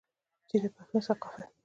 چې د پښتون ثقافت